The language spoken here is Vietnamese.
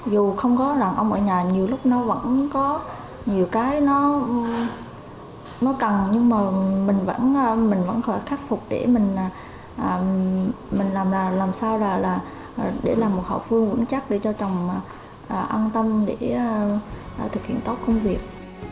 dù không có lần ông ở nhà nhiều lúc nó vẫn có nhiều cái nó cần nhưng mà mình vẫn mình vẫn phải khắc phục để mình làm sao là để làm một hậu phương vững chắc để cho chồng an tâm để thực hiện tốt công việc